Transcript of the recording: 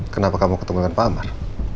kenapa kamu ketemu dengan pak amar